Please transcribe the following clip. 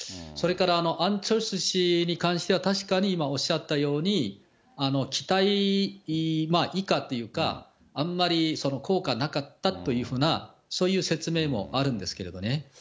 それからアン・チョルス氏に関しては、確かに今おっしゃったように、期待以下というか、あんまり効果なかったというふうな、そういう説明もあるんですけれどね。